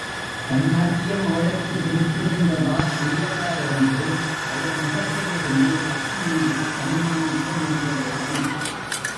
தன் நாட்டியம் அவளுக்குப் பிடித்திருந்ததா இல்லையா என்று அவள் முகத்திலிருந்து லக்ஷ்மியால் அனுமானிக்க முடியவில்லை.